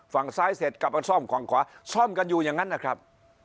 ฝั่งซ้ายเสร็จกลับมาซ่อมฝั่งขวาซ่อมกันอยู่อย่างนั้นนะครับ